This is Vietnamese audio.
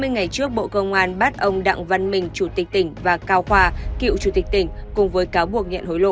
hai mươi ngày trước bộ công an bắt ông đặng văn mình chủ tịch tỉnh và cao khoa cựu chủ tịch tỉnh cùng với cáo buộc nhận hối lộ